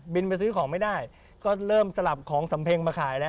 บินไปซื้อของไม่ได้เริ่มสลับของสัมเพ็งค์มาขาย